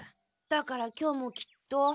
だから今日もきっと。